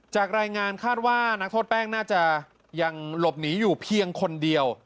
จากรายงานคาดว่านักโทษแป้งน่าจะยังหลบหนีอยู่เพียงคนเดียว